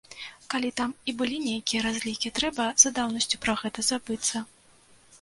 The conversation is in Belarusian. Калі там і былі нейкія разлікі, трэба за даўнасцю пра гэта забыцца.